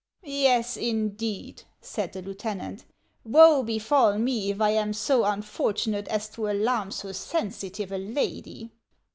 " "Yes, indeed," said the lieutenant; "woe bei'all me if I am so unfortunate as to alarm so sensitive a lady